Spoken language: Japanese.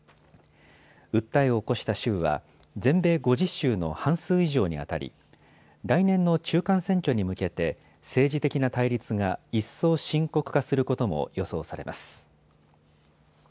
訴えを起こした州は全米５０州の半数以上にあたり来年の中間選挙に向けて政治的な対立が一層、深刻化することも予想されます。